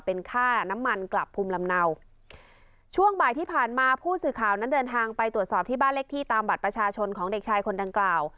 เป็นค่าน้ำมันกลับภูมิลำเนาช่วงบ่ายที่ผ่านมาผู้สื่อข่าวนั้นเดินทางไปตรวจสอบที่บ้านเลขที่ตามบัตรประชาชนของเด็กชายคนดังกล่าว